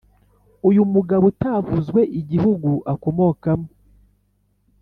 uyu mugabo utavuzwe igihugu akomokamo,